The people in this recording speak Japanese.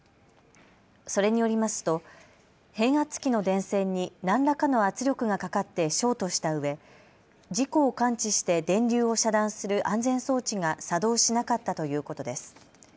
それによりますと変圧器の電線に何らかの圧力がかかってショートしたうえ事故を感知して電流を遮断する安全装置が作動しなかったということです。